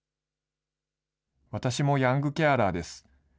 私もヤングケアラーです。